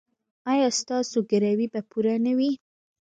ایا ستاسو ګروي به پوره نه وي؟